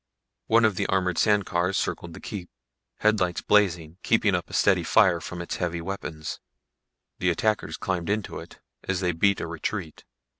One of the armored sand cars circled the keep, headlights blazing, keeping up a steady fire from its heavy weapons. The attackers climbed into it as they beat a retreat.